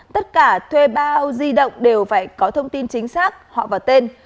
tất cả thuê bao di động đều phải có thông tin chính xác họ vào tên